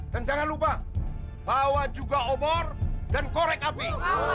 dan jangan lupa bawa juga obor dan korek api